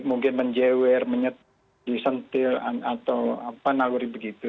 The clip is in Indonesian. menjewer mendidik menjewer disentil atau apa nangguri begitu